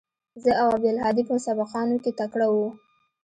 زه او عبدالهادي په سبقانو کښې تکړه وو.